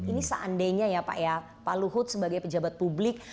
ini seandainya ya pak ya pak luhut sebagai pejabat publik